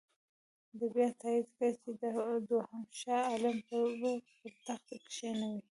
ده بیا تایید کړه چې دوهم شاه عالم به پر تخت کښېنوي.